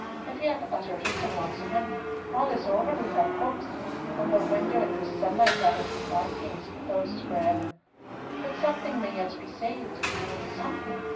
If he hath uttered it to Walsingham, all is over with our hopes, and the window in whose sunlight I have been basking is closed for ever! But something may yet be saved. Something?